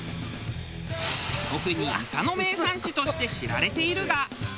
特にイカの名産地として知られているが。